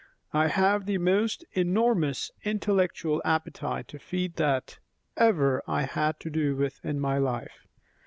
"I have the most enormous intellectual appetite to feed that ever I had to do with in my life.